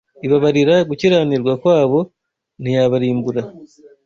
ibabarira gukiranirwa kwabo, ntiyabarimbura